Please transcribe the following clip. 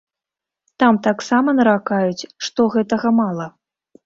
Там таксама наракаюць, што гэтага мала.